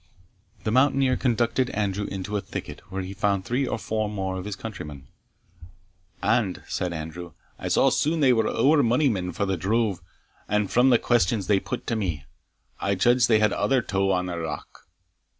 The mountaineer conducted Andrew into a thicket, where he found three or four more of his countrymen. "And," said Andrew, "I saw sune they were ower mony men for the drove; and from the questions they put to me, I judged they had other tow on their rock."